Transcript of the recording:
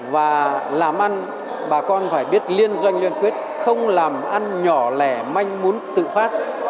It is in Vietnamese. và làm ăn bà con phải biết liên doanh liên quyết không làm ăn nhỏ lẻ manh muốn tự phát